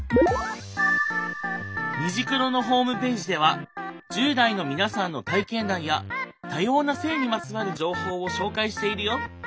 「虹クロ」のホームページでは１０代の皆さんの体験談や多様な性にまつわる情報を紹介しているよ。